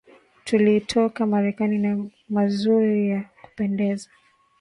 Tulitoka Marekani na mazuri za kupendeza